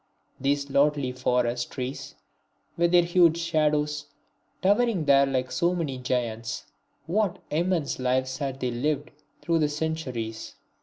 These lordly forest trees, with their huge shadows, towering there like so many giants what immense lives had they lived through the centuries!